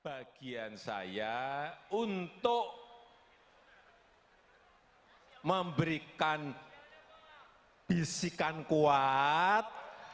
bagian saya untuk memberikan bisikan kuat